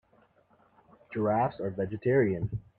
Giraffes are vegetarians.